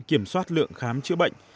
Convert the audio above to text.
kiểm soát lượng khám chữa bệnh